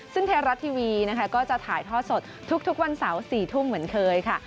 ซึ่งไทยรัฐทีวีนะคะก็จะถ่ายทอดสดทุกวันเสาร์๔ทุ่มเหมือนเคยค่ะ